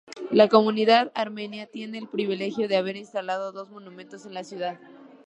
La comunidad armenia tiene el privilegio de haber instalado dos monumentos en la ciudad.